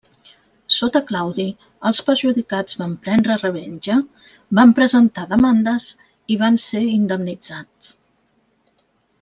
Sota Claudi, els perjudicats van prendre revenja, van presentar demandes, i van ser indemnitzats.